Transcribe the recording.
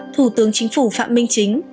thủ tướng chính phủ phạm minh chính